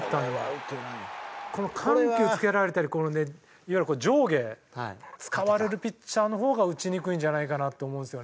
いわゆる上下使われるピッチャーの方が打ちにくいんじゃないかなって思うんですよね。